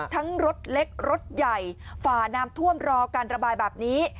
รถเล็กรถใหญ่ฝ่าน้ำท่วมรอการระบายแบบนี้